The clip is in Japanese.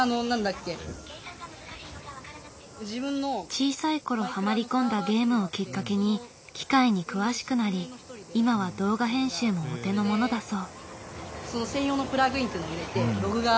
小さいころはまり込んだゲームをきっかけに機械に詳しくなり今は動画編集もお手のものだそう。